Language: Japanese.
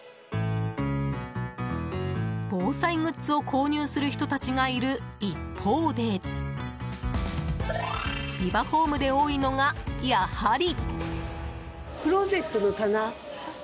防災グッズを購入する人たちがいる一方でビバホームで多いのが、やはり。